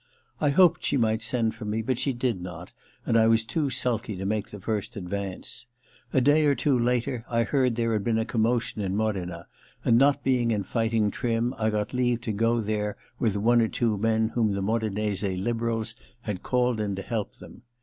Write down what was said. I hoped she might send for me, but she did not, and I was too sulky to make the first advance. A day or two later I heard there had been a commotion in Modena, and not being in fight ing trim I got leave to go over there with one or two men whom the Modenese liberals had called in to help them.